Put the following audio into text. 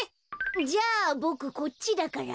じゃあボクこっちだから。